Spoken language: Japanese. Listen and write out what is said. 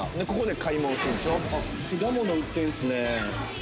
果物売ってるんですね。